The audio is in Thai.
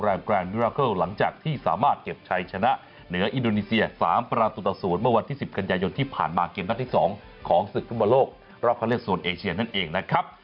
แล้วก็หวังที่จะได้เล่นแมทนี้เหมือนกัน